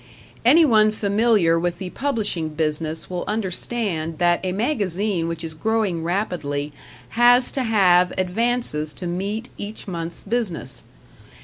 Anyone familiar with the publishing business will understand that a magazine which is growing rapidly has to have advances to meet each month's business.